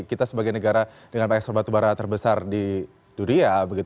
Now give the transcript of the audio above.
kita sebagai negara dengan ekspor batubara terbesar di dunia